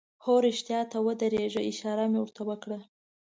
هو، رښتیا ته ودره، اشاره مې ور ته وکړه.